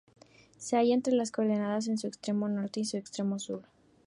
Se halla entre las coordenadas en su extremo norte y en su extremo sur.